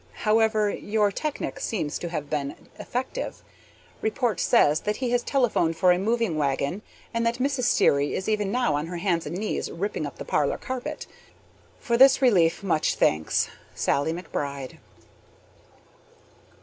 However, your technic seems to have been effective. Report says that he has telephoned for a moving wagon and that Mrs. Sterry is even now on her hands and knees ripping up the parlor carpet. For this relief much thanks. SALLIE McBRIDE.